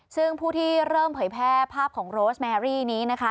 ซึ่งผู้ที่เริ่มเผยแพร่ภาพของโรสแมรี่นี้นะคะ